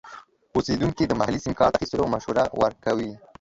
اوسیدونکي د محلي سیم کارت اخیستلو مشوره ورکوي.